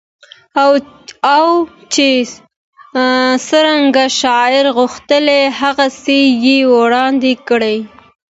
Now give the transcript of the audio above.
او چې څنګه شاعر غوښتي هغسې يې وړاندې کړې